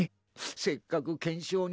せっかく懸賞に。